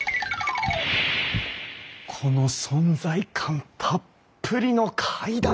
この存在感たっぷりの階段！